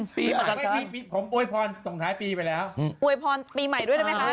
ผมอุวยพรต้องถ่ายปีไปแล้ว